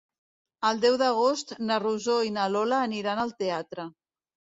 El deu d'agost na Rosó i na Lola aniran al teatre.